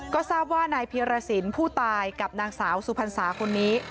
ก็ทราบว่านายเพียรสินผู้ตายกับนางสาวสุพรรษาคนนี้